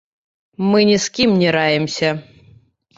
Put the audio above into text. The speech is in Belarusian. Мы ні з кім не раімся!